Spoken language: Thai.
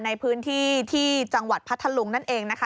ในพื้นที่ที่จังหวัดพัทธลุงนั่นเองนะคะ